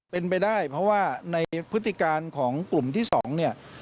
เป็นไปได้เพราะว่าในพฤติการของกลุ่มที่๒เนี่ย